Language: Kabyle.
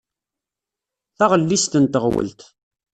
Taɣellist n teɣwelt.